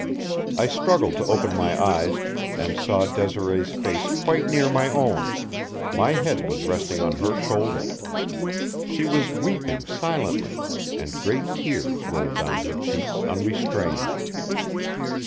I struggled to open my eyes, and saw Desiree's face quite near my own; my head was resting on her shoulder. She was weeping silently, and great tears rolled down her cheeks unrestrained.